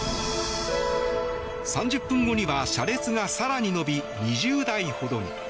３０分後には車列が更に伸び２０台ほどに。